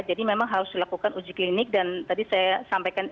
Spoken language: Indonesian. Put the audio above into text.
jadi memang harus dilakukan uji klinik dan tadi saya sampaikan